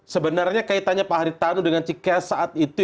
sebenarnya kaitannya pak haritanu dengan cikeas saat itu